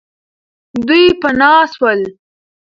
دوی پنا سول.